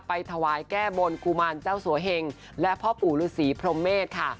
ถวายแก้บนกุมารเจ้าสัวเหงและพ่อปู่ฤษีพรมเมษค่ะ